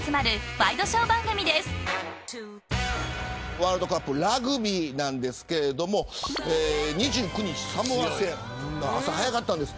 ワールドカップラグビーなんですが２９日サモア戦朝早かったです。